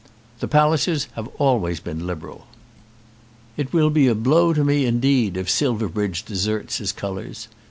"The Pallisers have always been Liberal. It will be a blow to me, indeed, if Silverbridge deserts his colours.